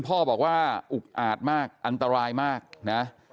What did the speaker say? พ่อบอกว่าอุกอาจมากอันตรายมากนะ